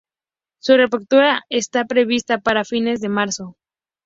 Su reapertura esta prevista para fines de marzo.